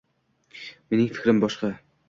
Mening fikrim boshqa.